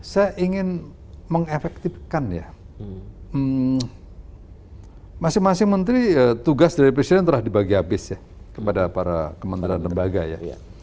saya ingin mengefektifkan ya masing masing menteri tugas dari presiden telah dibagi habis ya kepada para kementerian lembaga ya